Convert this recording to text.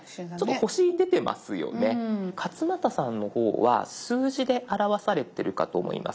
勝俣さんの方は数字で表されてるかと思います。